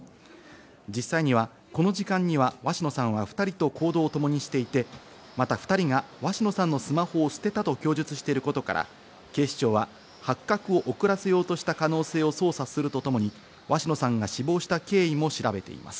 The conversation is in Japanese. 実際にはこの時間には鷲野さんは２人と行動をともにしていて、また２人が鷲野さんのスマホを捨てたと供述していることから警視庁は発覚を遅らせようとした可能性を捜査するとともに鷲野さんが死亡した経緯も調べています。